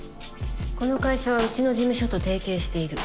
この会社はうちの事務所と提携している。